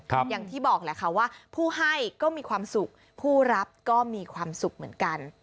อย่างที่บอกแหละค่ะว่าผู้ให้ก็มีความสุขผู้รับก็มีความสุขเหมือนกัน